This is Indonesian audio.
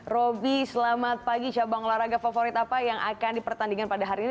roby selamat pagi cabang olahraga favorit apa yang akan dipertandingkan pada hari ini